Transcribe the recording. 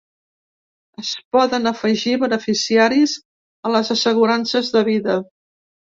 Es poden afegir beneficiaris a les assegurances de vida.